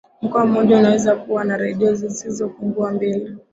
mkoa mmoja unaweza kuwa na redio zisizopungua mbili